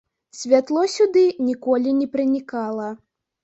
Святло сюды ніколі не пранікала.